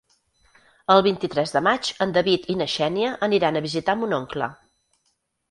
El vint-i-tres de maig en David i na Xènia aniran a visitar mon oncle.